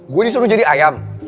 gue disuruh jadi ayam